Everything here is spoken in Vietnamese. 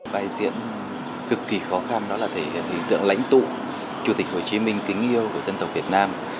vai diễn cực kỳ khó khăn đó là thể hiện hình tượng lãnh tụ chủ tịch hồ chí minh kính yêu của dân tộc việt nam